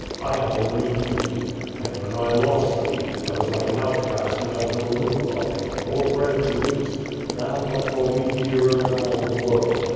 I have only thee. And when I lost Uiee, I was like an outcast who has no roof above him, nor bread to eat. Thou art for me dearer than all the world.